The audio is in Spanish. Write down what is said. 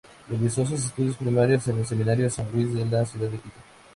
Realizó sus estudios primarios en el Seminario San Luis, de la ciudad de Quito.